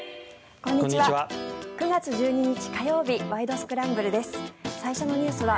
こんにちは。